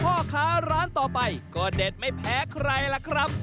พ่อค้าร้านต่อไปก็เด็ดไม่แพ้ใครล่ะครับ